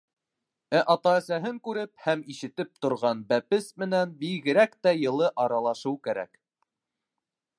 Ә ата-әсәһен күреп һәм ишетеп торған бәпес менән бигерәк тә йылы аралашыу кәрәк.